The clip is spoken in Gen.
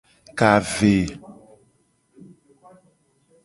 Ka ve.